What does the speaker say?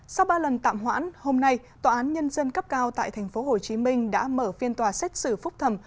sau ba lần tạm hoãn hôm nay tòa án nhân dân cấp cao tại tp hcm đã mở phiên tòa xét xử phúc thẩm